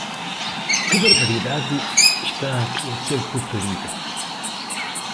Que barbaridade está aqui a ser proferida!